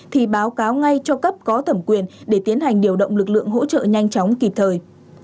thì báo cáo ngay cho cấp có thẩm quyền để tiến hành điều động lực lượng hỗ trợ nhanh chóng kịp thời